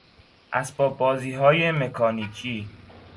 اسباب بازیهای مکانیکی